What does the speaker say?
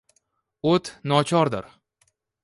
O’t nochordir